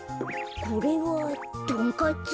これはとんカツ？